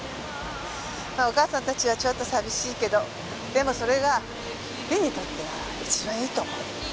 まあお母さんたちはちょっと寂しいけどでもそれがりんにとっては一番いいと思う。